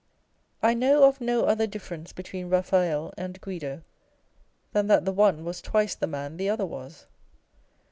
I know of no other difference between Eaphael and Guido, than that the one was twice the man the other was.